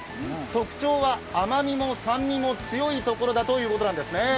特徴は、甘みも酸味も強いところだということなんですね。